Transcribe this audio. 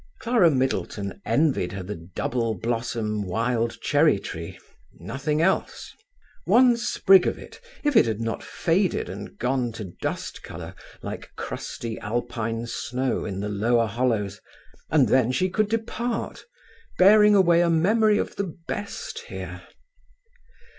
Clara Middleton envied her the double blossom wild cherry tree, nothing else. One sprig of it, if it had not faded and gone to dust colour like crusty Alpine snow in the lower hollows, and then she could depart, bearing away a memory of the best here!